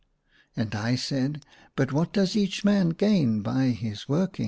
And I said, " But what does each man gain by his working